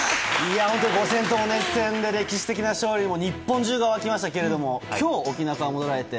本当に５戦とも熱戦で歴史的な勝利で日本中が沸きましたが今日、沖縄から戻られて。